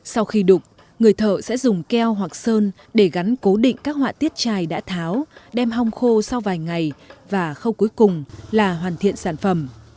sau khi đục người thợ sẽ dùng keo hoặc sơn để gắn cố định các họa tiết chai đã tháo đem hong khô sau vài ngày và khâu cuối cùng là hoàn thiện sản phẩm